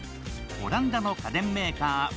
オランダの家電メーカー